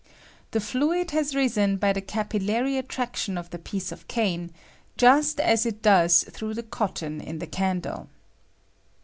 The fluid has risen by the capillary attraction of the piece of cane, just as it does through the cotton in the candle.